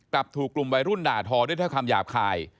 กลับถูกกลุ่มวัยรุ่นหนาทอด้วยเท่าคำหยาบคาย